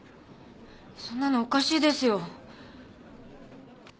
そんなのおかしいですよ。